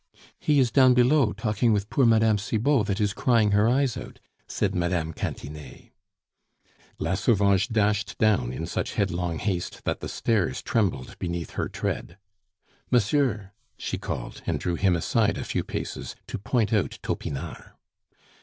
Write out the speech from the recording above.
"He is down below, talking with poor Mme. Cibot, that is crying her eyes out," said Mme. Cantinet. La Sauvage dashed down in such headlong haste that the stairs trembled beneath her tread. "Monsieur!" she called, and drew him aside a few paces to point out Topinard.